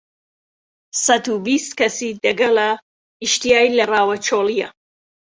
سەت و بیست کهسی دهگهله ئیشتیای له ڕاوی چۆلييه